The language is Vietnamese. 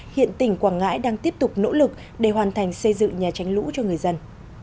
hiện tỉnh quảng ngãi đang tiếp tục nỗ lực để hoàn thành xây dựng nhà tránh lũ cho người dân